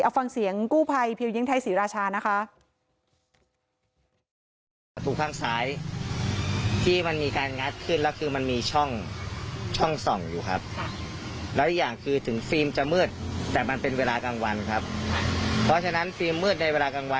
เอาฟังเสียงกูภัยเพียวเย็งไทยศรีราชานะคะ